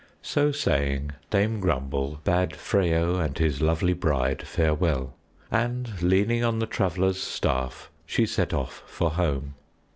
So saying, Dame Grumble bade Freyo and his lovely bride farewell, and leaning on the Traveler's staff she set off for home.